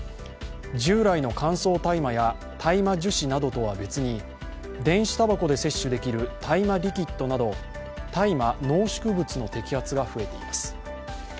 従来の乾燥大麻や大麻樹脂などとは別に電子たばこで摂取できる大麻リキッドなど大麻濃縮物の摘発が増えています。